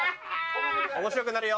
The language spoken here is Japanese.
面白くなるよ？